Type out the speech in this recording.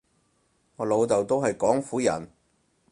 我老豆都係廣府人